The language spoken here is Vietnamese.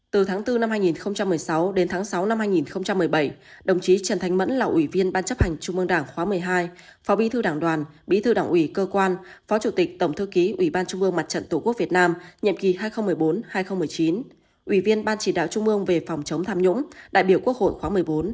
từ tháng bốn năm hai nghìn một mươi sáu đến tháng sáu năm hai nghìn một mươi bảy đồng chí trần thanh mẫn là ủy viên ban chấp hành trung mương đảng khóa một mươi hai phó bí thư đảng đoàn bí thư đảng ủy cơ quan phó chủ tịch tổng thư ký ủy ban trung ương mặt trận tổ quốc việt nam nhiệm kỳ hai nghìn một mươi bốn hai nghìn một mươi chín ủy viên ban chỉ đạo trung ương về phòng chống tham nhũng đại biểu quốc hội khóa một mươi bốn